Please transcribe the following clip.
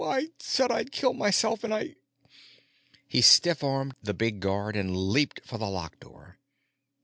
I said I'd kill myself and I——" He stiff armed the big guard and leaped for the lock door.